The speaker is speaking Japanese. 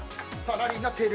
ラリーになっている。